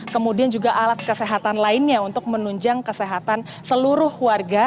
kemudian juga alat kesehatan lainnya untuk menunjang kesehatan seluruh warga